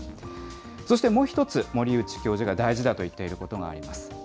そして、もう１つ、森内教授が大事だと言っていることがあります。